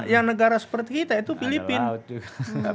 yang negara seperti kita itu filipina